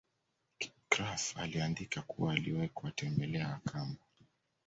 Krapf aliandika kuwa aliwahi kuwatembela wakamba